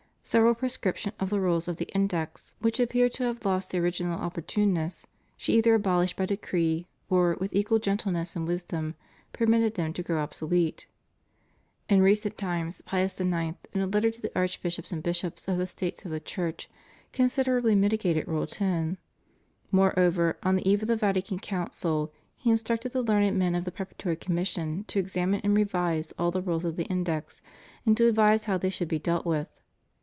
Several prescriptions of the rules of the Index, 410 THE PROHIBITION AND CENSORSHIP OF BOOKS. which appeared to have lost their original opportuneness, she either abolished by decree, or, with equal gentleness and wisdom, permitted them to grow obsolete. In recent times, Pius IX., in a letter to the archbishops and bishops of the States of the Church, considerably mitigated Rule X. Moreover, on the eve of the Vatican Council, he instructed the learned men of the preparatory commission to examine and revise all the rules of the Index, and to advise how they should be dealt with.